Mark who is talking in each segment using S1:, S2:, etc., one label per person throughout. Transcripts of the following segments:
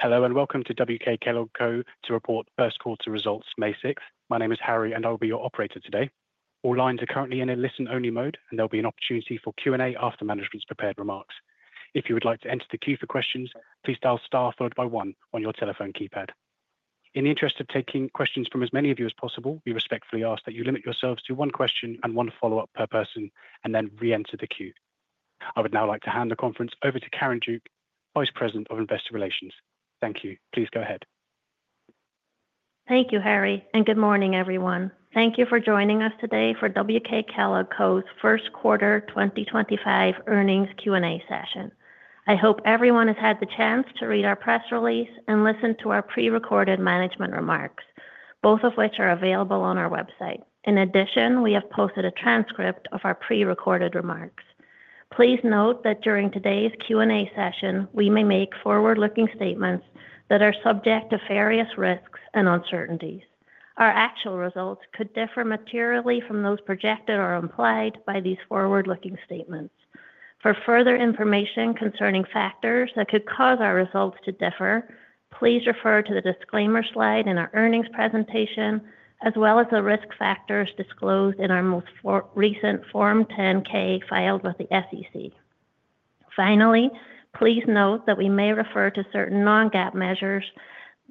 S1: Hello and welcome to WK Kellogg Co to report first quarter results May 6th. My name is Harry, and I'll be your operator today. All lines are currently in a listen-only mode, and there'll be an opportunity for Q&A after management's prepared remarks. If you would like to enter the queue for questions, please dial star followed by one on your telephone keypad. In the interest of taking questions from as many of you as possible, we respectfully ask that you limit yourselves to one question and one follow-up per person, and then re-enter the queue. I would now like to hand the conference over to Karen Duke, Vice President of Investor Relations. Thank you. Please go ahead.
S2: Thank you, Harry, and good morning, everyone. Thank you for joining us today for WK Kellogg Co's first quarter 2025 earnings Q&A session. I hope everyone has had the chance to read our press release and listen to our pre-recorded management remarks, both of which are available on our website. In addition, we have posted a transcript of our pre-recorded remarks. Please note that during today's Q&A session, we may make forward-looking statements that are subject to various risks and uncertainties. Our actual results could differ materially from those projected or implied by these forward-looking statements. For further information concerning factors that could cause our results to differ, please refer to the disclaimer slide in our earnings presentation, as well as the risk factors disclosed in our most recent Form 10-K filed with the SEC. Finally, please note that we may refer to certain non-GAAP measures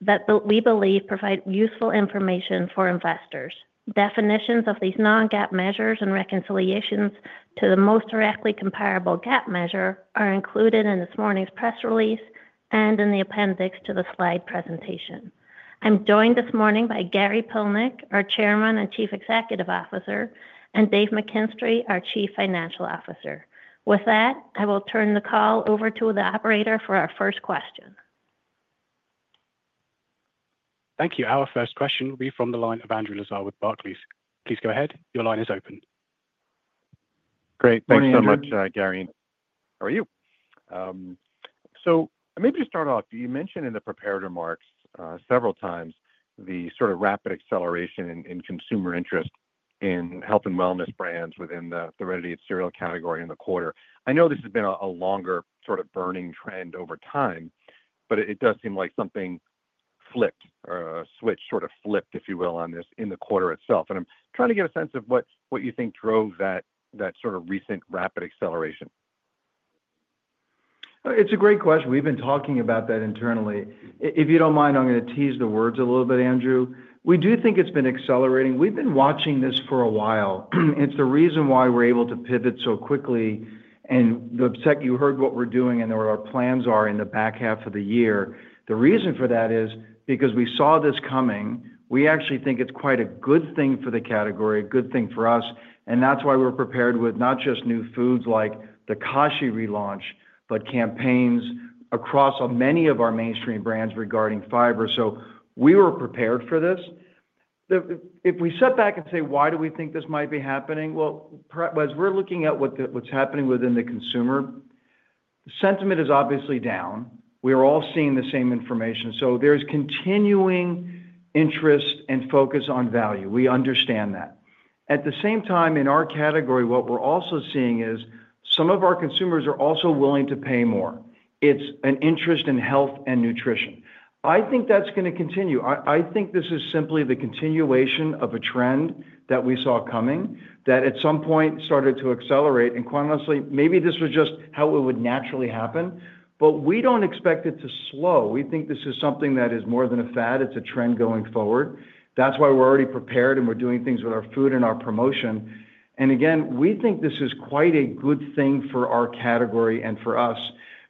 S2: that we believe provide useful information for investors. Definitions of these non-GAAP measures and reconciliations to the most directly comparable GAAP measure are included in this morning's press release and in the appendix to the slide presentation. I'm joined this morning by Gary Pilnick, our Chairman and Chief Executive Officer, and Dave McKinstray, our Chief Financial Officer. With that, I will turn the call over to the operator for our first question.
S1: Thank you. Our first question will be from the line of Andrew Lazar with Barclays. Please go ahead. Your line is open.
S3: Great. Thanks so much, Gary.
S4: How are you?
S3: Maybe to start off, you mentioned in the prepared remarks several times the sort of rapid acceleration in consumer interest in health and wellness brands within the threaded eight cereal category in the quarter. I know this has been a longer sort of burning trend over time, but it does seem like something flipped or a switch sort of flipped, if you will, on this in the quarter itself. I'm trying to get a sense of what you think drove that sort of recent rapid acceleration.
S4: It's a great question. We've been talking about that internally. If you don't mind, I'm going to tease the words a little bit, Andrew. We do think it's been accelerating. We've been watching this for a while. It's the reason why we're able to pivot so quickly. The second you heard what we're doing and where our plans are in the back half of the year, the reason for that is because we saw this coming. We actually think it's quite a good thing for the category, a good thing for us. That's why we're prepared with not just new foods like the Kashi relaunch, but campaigns across many of our mainstream brands regarding fiber. We were prepared for this. If we step back and say, why do we think this might be happening? As we're looking at what's happening within the consumer, sentiment is obviously down. We are all seeing the same information. There is continuing interest and focus on value. We understand that. At the same time, in our category, what we're also seeing is some of our consumers are also willing to pay more. It's an interest in health and nutrition. I think that's going to continue. I think this is simply the continuation of a trend that we saw coming that at some point started to accelerate. And quite honestly, maybe this was just how it would naturally happen, but we don't expect it to slow. We think this is something that is more than a fad. It's a trend going forward. That's why we're already prepared and we're doing things with our food and our promotion. We think this is quite a good thing for our category and for us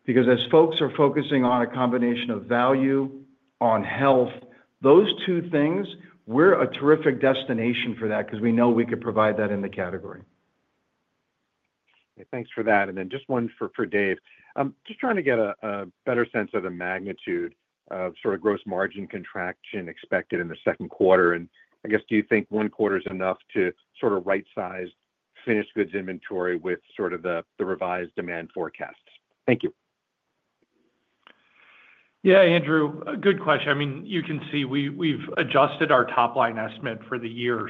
S4: because as folks are focusing on a combination of value, on health, those two things, we are a terrific destination for that because we know we could provide that in the category.
S3: Thanks for that. Just one for Dave. Just trying to get a better sense of the magnitude of sort of gross margin contraction expected in the second quarter. I guess, do you think one quarter is enough to sort of right-size finished goods inventory with sort of the revised demand forecasts? Thank you.
S5: Yeah, Andrew, good question. I mean, you can see we've adjusted our top line estimate for the year.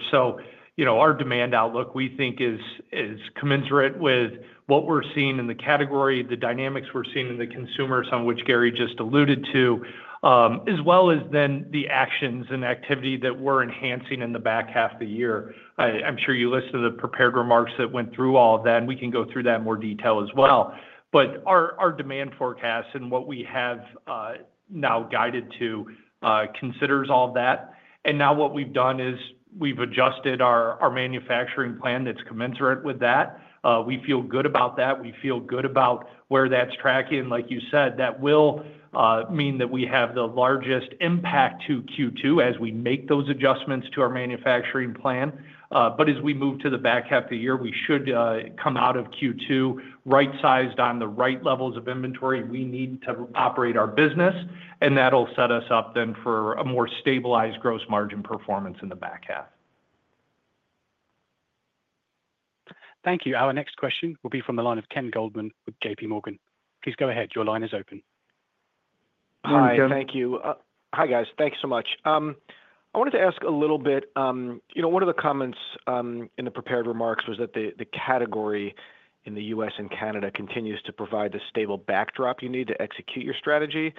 S5: Our demand outlook we think is commensurate with what we're seeing in the category, the dynamics we're seeing in the consumers, some of which Gary just alluded to, as well as the actions and activity that we're enhancing in the back half of the year. I'm sure you listened to the prepared remarks that went through all of that, and we can go through that in more detail as well. Our demand forecast and what we have now guided to considers all of that. Now what we've done is we've adjusted our manufacturing plan that's commensurate with that. We feel good about that. We feel good about where that's tracking. Like you said, that will mean that we have the largest impact to Q2 as we make those adjustments to our manufacturing plan. As we move to the back half of the year, we should come out of Q2 right-sized on the right levels of inventory. We need to operate our business, and that'll set us up then for a more stabilized gross margin performance in the back half.
S1: Thank you. Our next question will be from the line of Ken Goldman with JPMorgan. Please go ahead. Your line is open.
S4: Hi, Ken.
S6: Thank you. Hi, guys. Thanks so much. I wanted to ask a little bit, one of the comments in the prepared remarks was that the category in the U.S. and Canada continues to provide the stable backdrop you need to execute your strategy.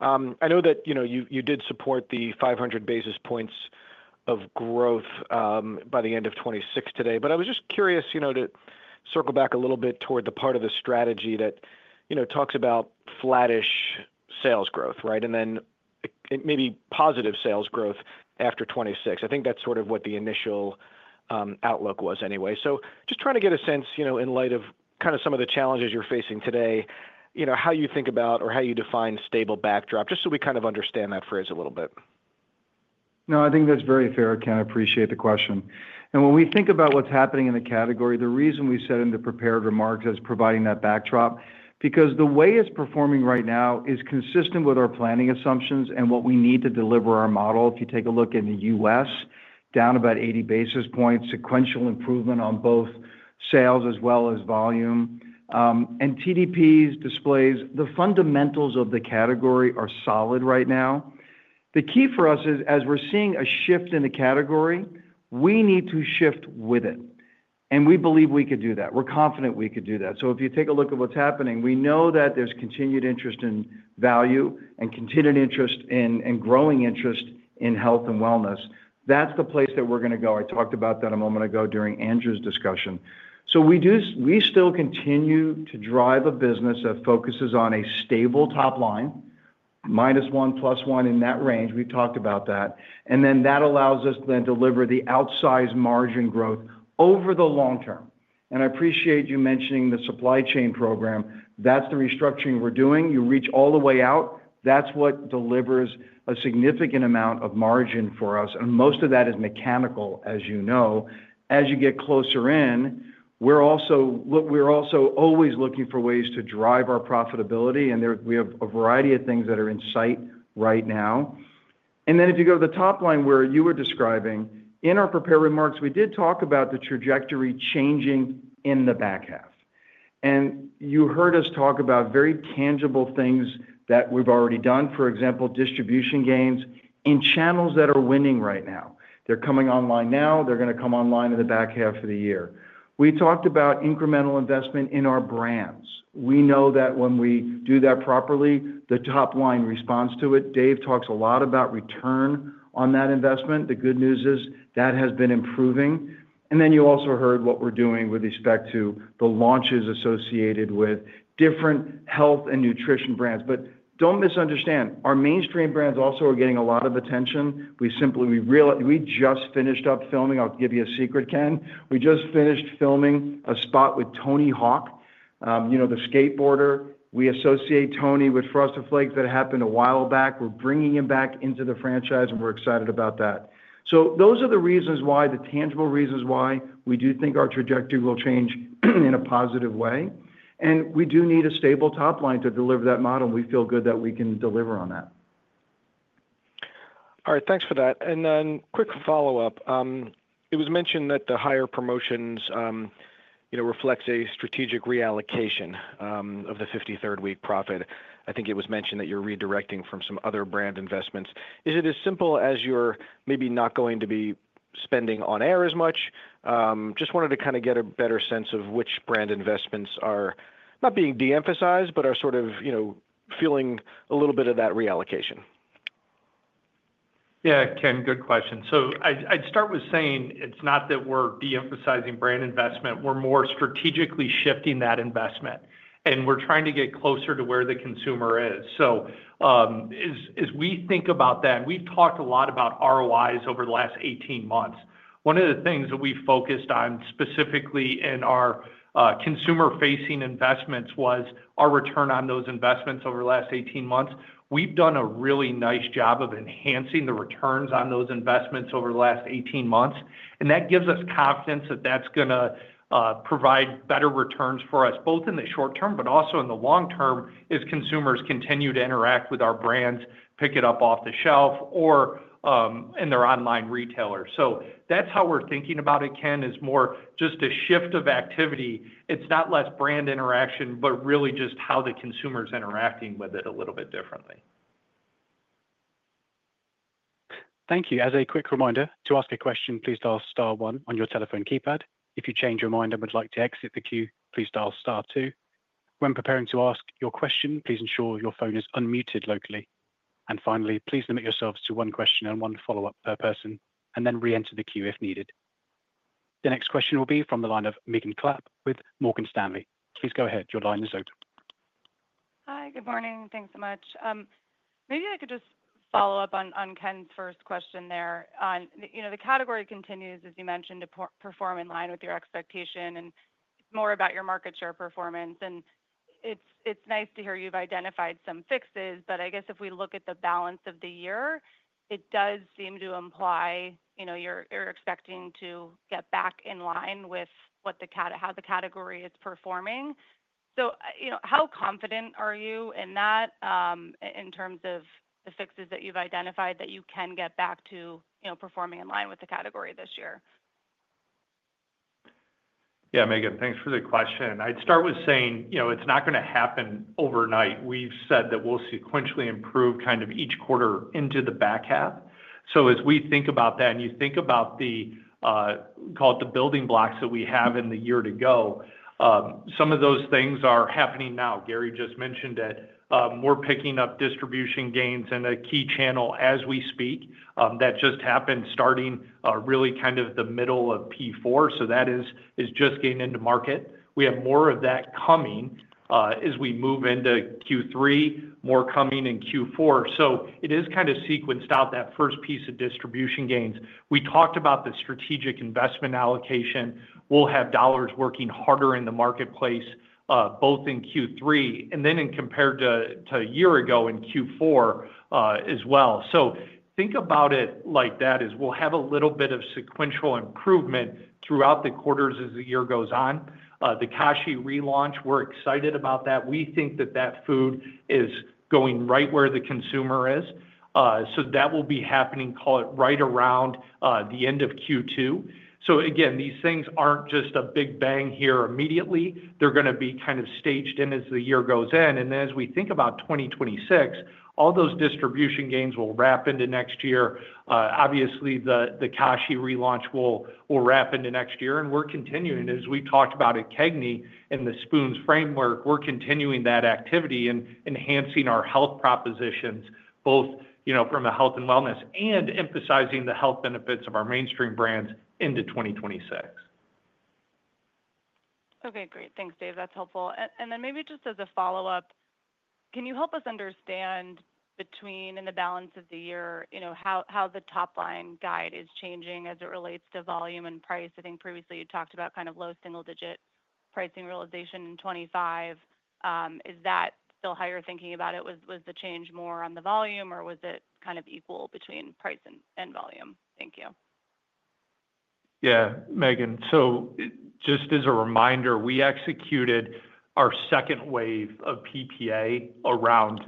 S6: I know that you did support the 500 basis points of growth by the end of 2026 today, but I was just curious to circle back a little bit toward the part of the strategy that talks about flattish sales growth, right? And then maybe positive sales growth after 2026. I think that's sort of what the initial outlook was anyway. Just trying to get a sense in light of kind of some of the challenges you're facing today, how you think about or how you define stable backdrop, just so we kind of understand that phrase a little bit.
S4: No, I think that's very fair, Ken. I appreciate the question. When we think about what's happening in the category, the reason we said in the prepared remarks as providing that backdrop is because the way it's performing right now is consistent with our planning assumptions and what we need to deliver our model. If you take a look in the U.S., down about 80 basis points, sequential improvement on both sales as well as volume. TDPs display the fundamentals of the category are solid right now. The key for us is, as we're seeing a shift in the category, we need to shift with it. We believe we could do that. We're confident we could do that. If you take a look at what's happening, we know that there's continued interest in value and continued interest and growing interest in health and wellness. That's the place that we're going to go. I talked about that a moment ago during Andrew's discussion. We still continue to drive a business that focuses on a stable top line, minus 1, plus 1 in that range. We've talked about that. That allows us to then deliver the outsized margin growth over the long term. I appreciate you mentioning the supply chain program. That's the restructuring we're doing. You reach all the way out. That's what delivers a significant amount of margin for us. Most of that is mechanical, as you know. As you get closer in, we're also always looking for ways to drive our profitability. We have a variety of things that are in sight right now. If you go to the top line where you were describing, in our prepared remarks, we did talk about the trajectory changing in the back half. You heard us talk about very tangible things that we've already done, for example, distribution gains in channels that are winning right now. They're coming online now. They're going to come online in the back half of the year. We talked about incremental investment in our brands. We know that when we do that properly, the top line responds to it. Dave talks a lot about return on that investment. The good news is that has been improving. You also heard what we're doing with respect to the launches associated with different health and nutrition brands. Do not misunderstand, our mainstream brands also are getting a lot of attention. We just finished up filming. I'll give you a secret, Ken. We just finished filming a spot with Tony Hawk, the skateboarder. We associate Tony with Frosted Flakes that happened a while back. We're bringing him back into the franchise, and we're excited about that. Those are the reasons why, the tangible reasons why we do think our trajectory will change in a positive way. We do need a stable top line to deliver that model. We feel good that we can deliver on that.
S6: All right. Thanks for that. Then quick follow-up. It was mentioned that the higher promotions reflects a strategic reallocation of the 53rd week profit. I think it was mentioned that you're redirecting from some other brand investments. Is it as simple as you're maybe not going to be spending on air as much? Just wanted to kind of get a better sense of which brand investments are not being de-emphasized, but are sort of feeling a little bit of that reallocation.
S5: Yeah, Ken, good question. I'd start with saying it's not that we're de-emphasizing brand investment. We're more strategically shifting that investment. We're trying to get closer to where the consumer is. As we think about that, we've talked a lot about ROIs over the last 18 months. One of the things that we focused on specifically in our consumer-facing investments was our return on those investments over the last 18 months. We've done a really nice job of enhancing the returns on those investments over the last 18 months. That gives us confidence that that's going to provide better returns for us, both in the short term, but also in the long term as consumers continue to interact with our brands, pick it up off the shelf, or in their online retailers. That's how we're thinking about it, Ken, is more just a shift of activity. It's not less brand interaction, but really just how the consumer's interacting with it a little bit differently.
S1: Thank you. As a quick reminder, to ask a question, please dial star one on your telephone keypad. If you change your mind and would like to exit the queue, please dial star two. When preparing to ask your question, please ensure your phone is unmuted locally. Finally, please limit yourselves to one question and one follow-up per person, and then re-enter the queue if needed. The next question will be from the line of Megan Clapp with Morgan Stanley. Please go ahead. Your line is open.
S7: Hi, good morning. Thanks so much. Maybe I could just follow up on Ken's first question there. The category continues, as you mentioned, to perform in line with your expectation and more about your market share performance. It's nice to hear you've identified some fixes, but I guess if we look at the balance of the year, it does seem to imply you're expecting to get back in line with how the category is performing. How confident are you in that in terms of the fixes that you've identified that you can get back to performing in line with the category this year?
S5: Yeah, Megan, thanks for the question. I'd start with saying it's not going to happen overnight. We've said that we'll sequentially improve kind of each quarter into the back half. As we think about that and you think about the building blocks that we have in the year to go, some of those things are happening now. Gary just mentioned that we're picking up distribution gains in a key channel as we speak. That just happened starting really kind of the middle of Q4. That is just getting into market. We have more of that coming as we move into Q3, more coming in Q4. It is kind of sequenced out that first piece of distribution gains. We talked about the strategic investment allocation. We'll have dollars working harder in the marketplace, both in Q3 and then in compared to a year ago in Q4 as well. Think about it like that is we'll have a little bit of sequential improvement throughout the quarters as the year goes on. The Kashi relaunch, we're excited about that. We think that that food is going right where the consumer is. That will be happening, call it right around the end of Q2. These things aren't just a big bang here immediately. They're going to be kind of staged in as the year goes in. As we think about 2026, all those distribution gains will wrap into next year. Obviously, the Kashi relaunch will wrap into next year. We're continuing, as we talked about at CAGNY and the SPOONS framework, we're continuing that activity and enhancing our health propositions, both from a health and wellness and emphasizing the health benefits of our mainstream brands into 2026.
S7: Okay, great. Thanks, Dave. That's helpful. Maybe just as a follow-up, can you help us understand between in the balance of the year, how the top line guide is changing as it relates to volume and price? I think previously you talked about kind of low single-digit pricing realization in 2025. Is that still how you're thinking about it? Was the change more on the volume, or was it kind of equal between price and volume? Thank you.
S5: Yeah, Megan. Just as a reminder, we executed our second wave of PPA around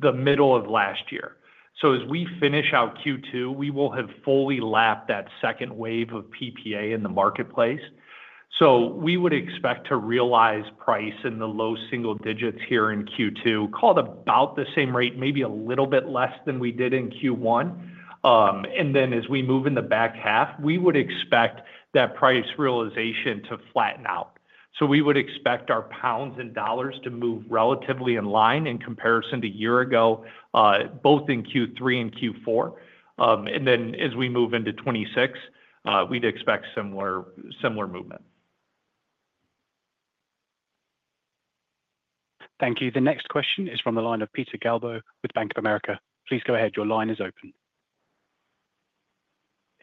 S5: the middle of last year. As we finish out Q2, we will have fully lapped that second wave of PPA in the marketplace. We would expect to realize price in the low single digits here in Q2, called about the same rate, maybe a little bit less than we did in Q1. As we move in the back half, we would expect that price realization to flatten out. We would expect our pounds and dollars to move relatively in line in comparison to a year ago, both in Q3 and Q4. As we move into 2026, we'd expect similar movement.
S1: Thank you. The next question is from the line of Peter Galbo with Bank of America. Please go ahead. Your line is open.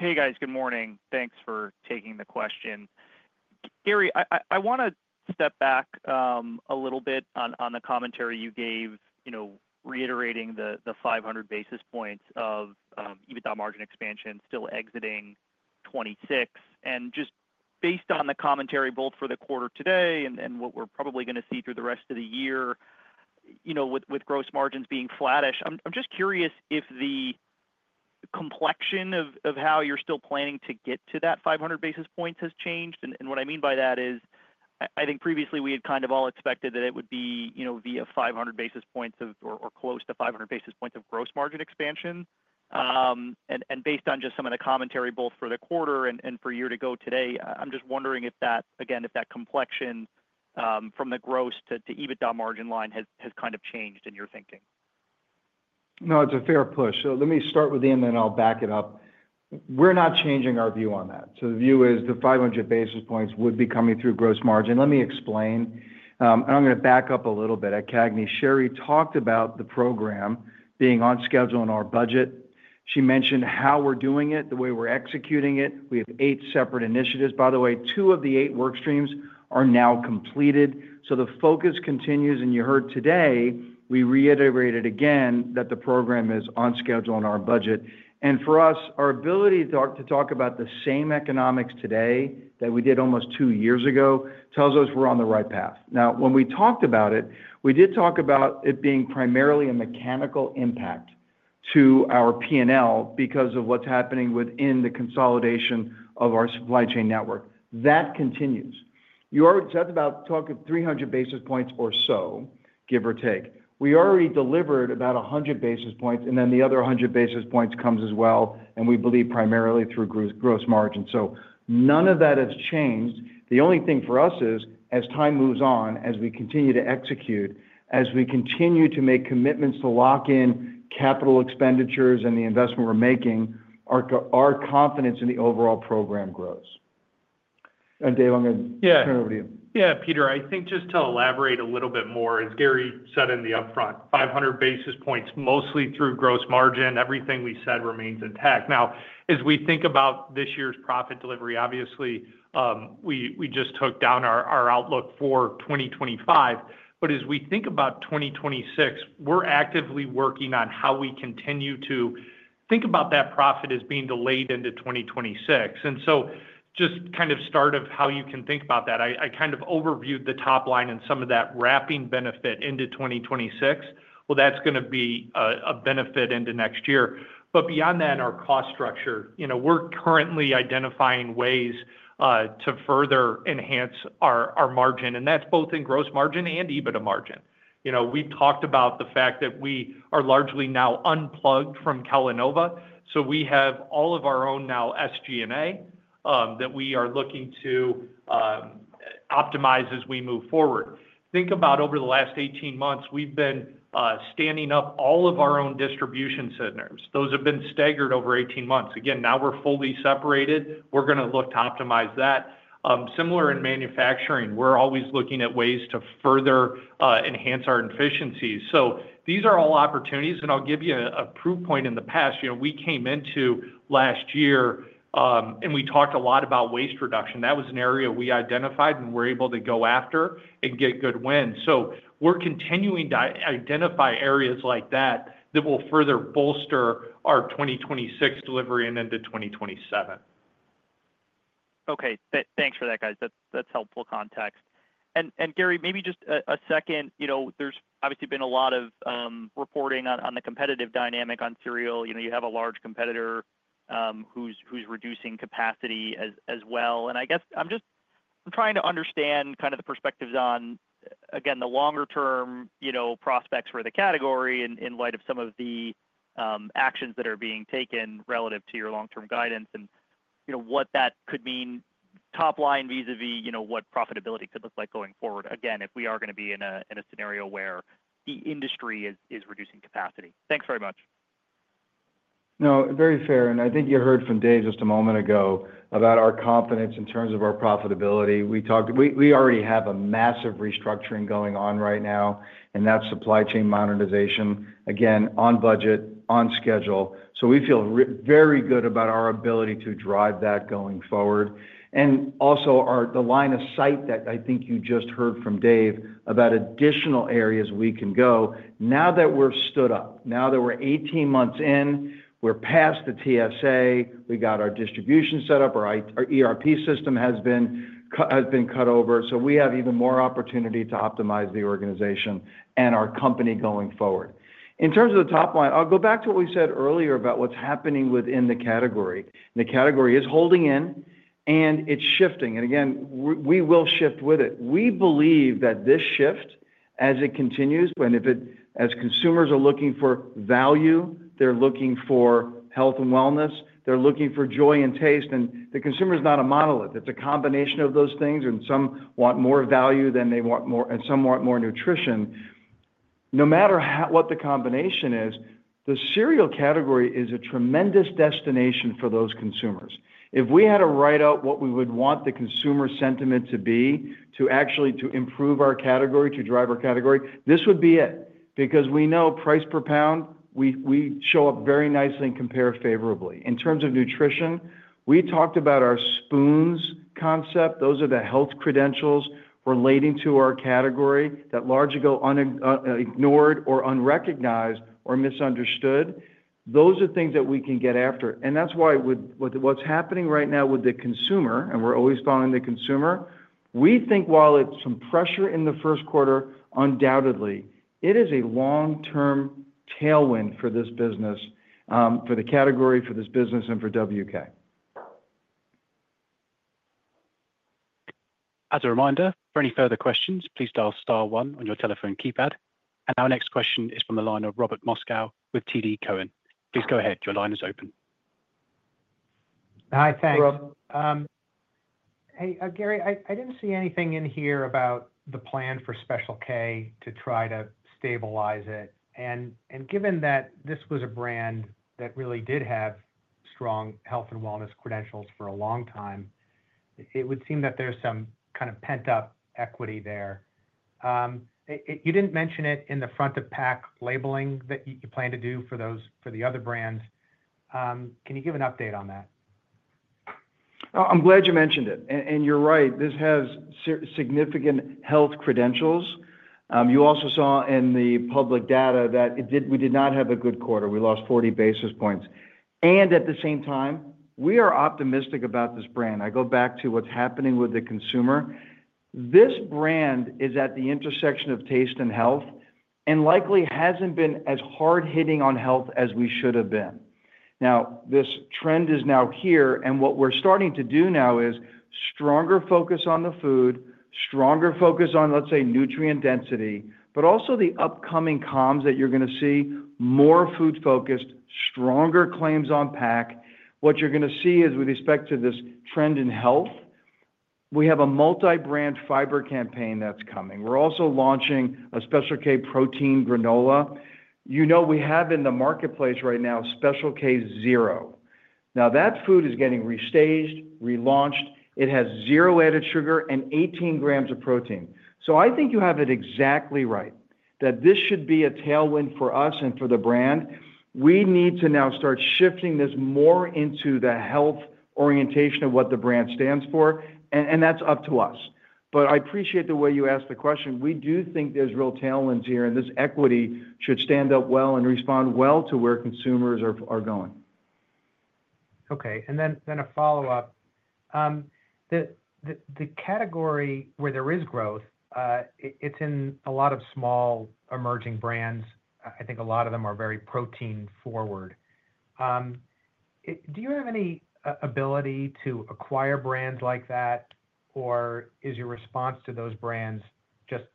S8: Hey, guys. Good morning. Thanks for taking the question. Gary, I want to step back a little bit on the commentary you gave, reiterating the 500 basis points of EBITDA margin expansion still exiting 2026. Just based on the commentary both for the quarter today and what we're probably going to see through the rest of the year, with gross margins being flattish, I'm just curious if the complexion of how you're still planning to get to that 500 basis points has changed. What I mean by that is I think previously we had kind of all expected that it would be via 500 basis points or close to 500 basis points of gross margin expansion. Based on just some of the commentary both for the quarter and for year to go today, I'm just wondering if that, again, if that complexion from the gross to EBITDA margin line has kind of changed in your thinking.
S4: No, it's a fair push. Let me start with the end, then I'll back it up. We're not changing our view on that. The view is the 500 basis points would be coming through gross margin. Let me explain. I'm going to back up a little bit. At CAGNY's, Sherry talked about the program being on schedule in our budget. She mentioned how we're doing it, the way we're executing it. We have eight separate initiatives. By the way, two of the eight workstreams are now completed. The focus continues. You heard today, we reiterated again that the program is on schedule in our budget. For us, our ability to talk about the same economics today that we did almost two years ago tells us we're on the right path. Now, when we talked about it, we did talk about it being primarily a mechanical impact to our P&L because of what's happening within the consolidation of our supply chain network. That continues. You already talked about talking 300 basis points or so, give or take. We already delivered about 100 basis points, and then the other 100 basis points comes as well, and we believe primarily through gross margin. None of that has changed. The only thing for us is, as time moves on, as we continue to execute, as we continue to make commitments to lock in capital expenditures and the investment we're making, our confidence in the overall program grows. Dave, I'm going to turn it over to you.
S5: Yeah, Peter, I think just to elaborate a little bit more, as Gary said in the upfront, 500 basis points, mostly through gross margin, everything we said remains intact. Now, as we think about this year's profit delivery, obviously, we just took down our outlook for 2025. As we think about 2026, we're actively working on how we continue to think about that profit as being delayed into 2026. Just kind of start of how you can think about that. I kind of overviewed the top line and some of that wrapping benefit into 2026. That is going to be a benefit into next year. Beyond that, our cost structure, we're currently identifying ways to further enhance our margin. That is both in gross margin and EBITDA margin. We've talked about the fact that we are largely now unplugged from Kellanova. We have all of our own now SG&A that we are looking to optimize as we move forward. Think about over the last 18 months, we've been standing up all of our own distribution centers. Those have been staggered over 18 months. Again, now we're fully separated. We're going to look to optimize that. Similar in manufacturing, we're always looking at ways to further enhance our efficiencies. These are all opportunities. I'll give you a proof point in the past. We came into last year, and we talked a lot about waste reduction. That was an area we identified and were able to go after and get good wins. We're continuing to identify areas like that that will further bolster our 2026 delivery and into 2027.
S8: Okay. Thanks for that, guys. That's helpful context. Gary, maybe just a second. There's obviously been a lot of reporting on the competitive dynamic on cereal. You have a large competitor who's reducing capacity as well. I guess I'm just trying to understand kind of the perspectives on, again, the longer-term prospects for the category in light of some of the actions that are being taken relative to your long-term guidance and what that could mean top line vis-à-vis what profitability could look like going forward, again, if we are going to be in a scenario where the industry is reducing capacity. Thanks very much.
S4: No, very fair. I think you heard from Dave just a moment ago about our confidence in terms of our profitability. We already have a massive restructuring going on right now, and that's supply chain modernization, again, on budget, on schedule. We feel very good about our ability to drive that going forward. Also, the line of sight that I think you just heard from Dave about additional areas we can go. Now that we're stood up, now that we're 18 months in, we're past the TSA, we got our distribution set up, our ERP system has been cut over. We have even more opportunity to optimize the organization and our company going forward. In terms of the top line, I'll go back to what we said earlier about what's happening within the category. The category is holding in, and it's shifting. We will shift with it. We believe that this shift, as it continues, and as consumers are looking for value, they're looking for health and wellness, they're looking for joy and taste. The consumer is not a monolith. It's a combination of those things. Some want more value than they want more, and some want more nutrition. No matter what the combination is, the cereal category is a tremendous destination for those consumers. If we had to write out what we would want the consumer sentiment to be, to actually improve our category, to drive our category, this would be it. We know price per pound, we show up very nicely and compare favorably. In terms of nutrition, we talked about our SPOONS concept. Those are the health credentials relating to our category that largely go ignored or unrecognized or misunderstood. Those are things that we can get after. That is why what is happening right now with the consumer, and we are always following the consumer, we think while it is some pressure in the first quarter, undoubtedly, it is a long-term tailwind for this business, for the category, for this business, and for WK.
S1: As a reminder, for any further questions, please dial star one on your telephone keypad. Our next question is from the line of Robert Moskow with TD Cowen. Please go ahead. Your line is open.
S9: Hi, thanks. Hey, Gary, I didn't see anything in here about the plan for Special K to try to stabilize it. Given that this was a brand that really did have strong health and wellness credentials for a long time, it would seem that there's some kind of pent-up equity there. You didn't mention it in the front-of-pack labeling that you plan to do for the other brands. Can you give an update on that?
S4: I'm glad you mentioned it. You're right. This has significant health credentials. You also saw in the public data that we did not have a good quarter. We lost 40 basis points. At the same time, we are optimistic about this brand. I go back to what's happening with the consumer. This brand is at the intersection of taste and health and likely hasn't been as hard-hitting on health as we should have been. This trend is now here. What we're starting to do now is stronger focus on the food, stronger focus on, let's say, nutrient density, but also the upcoming comms that you're going to see, more food-focused, stronger claims on pack. What you're going to see is, with respect to this trend in health, we have a multi-brand fiber campaign that's coming. We're also launching a Special K protein granola. You know we have in the marketplace right now Special K Zero. Now, that food is getting restaged, relaunched. It has zero added sugar and 18 grams of protein. I think you have it exactly right that this should be a tailwind for us and for the brand. We need to now start shifting this more into the health orientation of what the brand stands for. That is up to us. I appreciate the way you asked the question. We do think there are real tailwinds here, and this equity should stand up well and respond well to where consumers are going.
S9: Okay. And then a follow-up. The category where there is growth, it's in a lot of small emerging brands. I think a lot of them are very protein-forward. Do you have any ability to acquire brands like that, or is your response to those brands just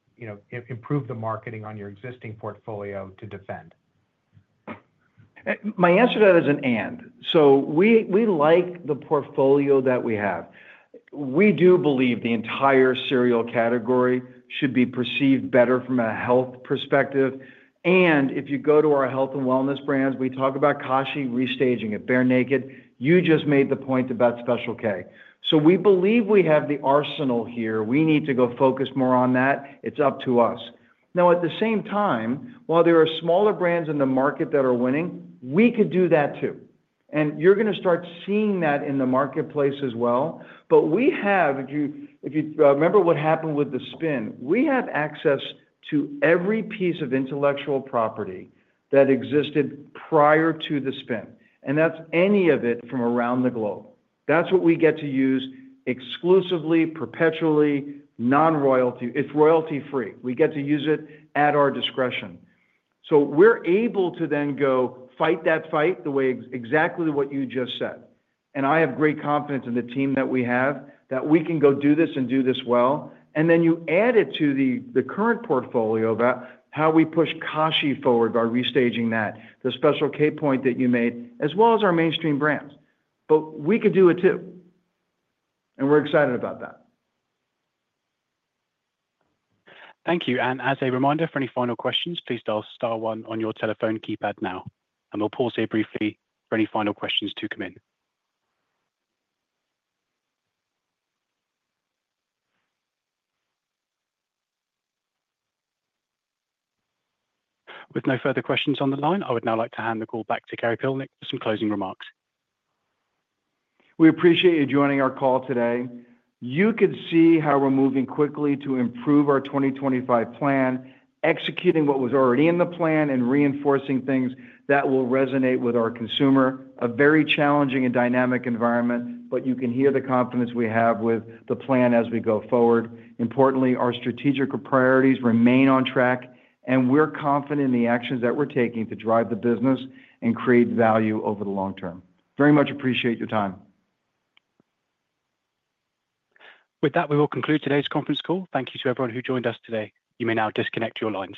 S9: improve the marketing on your existing portfolio to defend?
S4: My answer to that is an and. We like the portfolio that we have. We do believe the entire cereal category should be perceived better from a health perspective. If you go to our health and wellness brands, we talk about Kashi, restaging it, Bear Naked. You just made the point about Special K. We believe we have the arsenal here. We need to go focus more on that. It's up to us. At the same time, while there are smaller brands in the market that are winning, we could do that too. You are going to start seeing that in the marketplace as well. If you remember what happened with the spin, we have access to every piece of intellectual property that existed prior to the spin. That is any of it from around the globe. That's what we get to use exclusively, perpetually, non-royalty. It's royalty-free. We get to use it at our discretion. We're able to then go fight that fight the way exactly what you just said. I have great confidence in the team that we have that we can go do this and do this well. You add it to the current portfolio about how we push Kashi forward by restaging that, the Special K point that you made, as well as our mainstream brands. We could do it too. We're excited about that.
S1: Thank you. As a reminder, for any final questions, please dial star one on your telephone keypad now. We will pause here briefly for any final questions to come in. With no further questions on the line, I would now like to hand the call back to Gary Pilnick for some closing remarks.
S4: We appreciate you joining our call today. You could see how we're moving quickly to improve our 2025 plan, executing what was already in the plan and reinforcing things that will resonate with our consumer. A very challenging and dynamic environment, but you can hear the confidence we have with the plan as we go forward. Importantly, our strategic priorities remain on track, and we're confident in the actions that we're taking to drive the business and create value over the long term. Very much appreciate your time.
S1: With that, we will conclude today's conference call. Thank you to everyone who joined us today. You may now disconnect your lines.